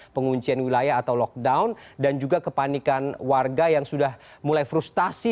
penguncian wilayah atau lockdown dan juga kepanikan warga yang sudah mulai frustasi